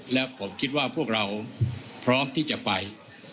และผมคิดว่าพวกเราพร้อมที่จะไป